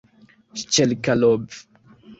Ŝĉelkalov!